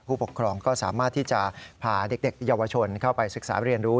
ผู้ปกครองก็สามารถที่จะพาเด็กเยาวชนเข้าไปศึกษาเรียนรู้